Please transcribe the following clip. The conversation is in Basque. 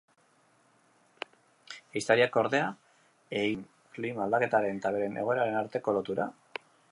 Ehiztariek ordea, egiten dutea klima aldaketaren eta beren egoeraren arteko lotura?